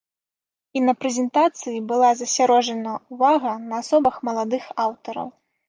І на прэзентацыі была засяроджана ўвага на асобах маладых аўтараў.